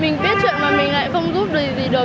mình biết chuyện mà mình lại không giúp gì gì được